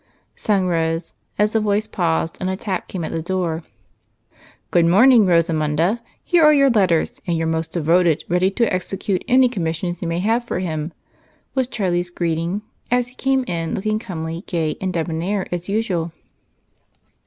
sang Rose as the voice paused and a tap came at the door. "Good morning, Rosamunda, here are your letters, and your most devoted ready to execute any commissions you may have for him," was Charlie's greeting as he came in looking comely, gay, and debonair as usual.